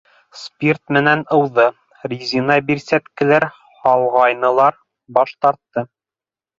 Спирт менән ыуҙы, резина бирсәткәләр һалғайнылар - баш тартты.